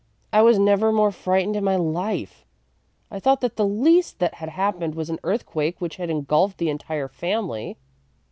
"I was never more frightened in my life. I thought that the least that had happened was an earthquake which had engulfed the entire family."